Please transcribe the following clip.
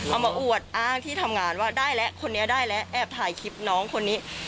เอามาอวดอ้างที่ทำงานว่าได้แล้วคนนี้ได้แล้วแอบถ่ายคลิปน้องคนนี้